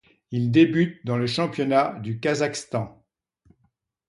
Il débute dans le championnat du Kazakhstan.